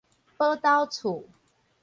寶斗厝